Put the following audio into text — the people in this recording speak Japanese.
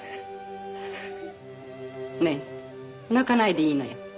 「ねえ泣かないでいいのよ。